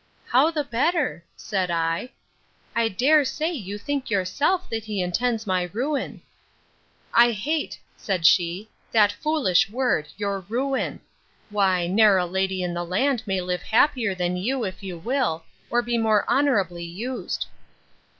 How the better? said I.—I dare say, you think yourself, that he intends my ruin. I hate, said she, that foolish word, your ruin!—Why, ne'er a lady in the land may live happier than you if you will, or be more honourably used.